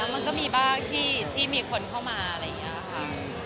มันก็มีบ้างที่มีคนเข้ามาอะไรอย่างนี้ค่ะ